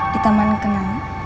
di taman kenang